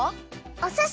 おすし！